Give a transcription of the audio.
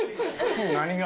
何が？